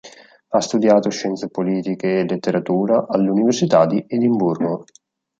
Ha studiato scienze politiche e letteratura all'Università di Edimburgo.